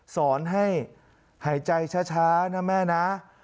สอนให้หายใจช้านะแม่นะ